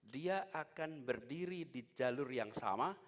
dia akan berdiri di jalur yang sama